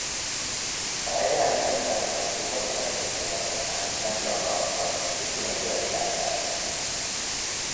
A helyreállítás után a kastélyt lakóhelyként fogják használni ünnepi alkalmakra és különféle kiállításokra.